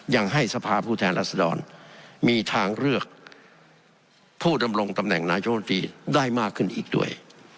ยังให้สภาพผู้แทนรัศดรมีทางเลือกผู้ดำรงตำแหน่งนายมนตรีได้มากขึ้นอีกด้วย